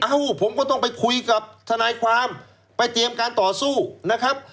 ผมก็ต้องไปคุยกับทนายความไปเตรียมการต่อสู้นะครับ